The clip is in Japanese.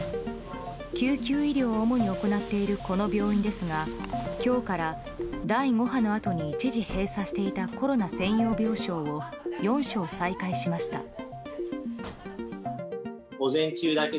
救急医療を主に行っているこの病院ですが今日から、第５波のあとに一時閉鎖していたコロナ専用病床を４床再開しました。